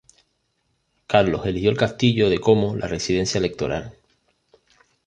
Carlos eligió el castillo de como la residencia electoral.